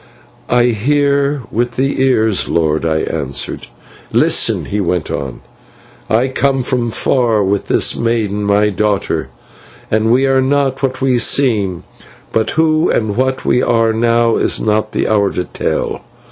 "'I hear with the Ears, lord,' I answered. "'Listen!' he went on. 'I come from far with this maiden, my daughter, and we are not what we seem, but who and what we are now is not the hour to tell.